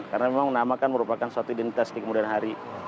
karena memang nama kan merupakan suatu identitas di kemudian hari